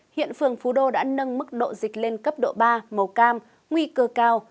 hiện phường phú đô đã nâng mức độ dịch lên cấp độ ba màu cam nguy cơ cao